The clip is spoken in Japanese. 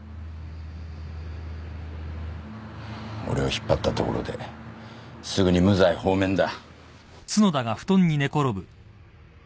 俺を引っ張ったところですぐに無罪放免だ。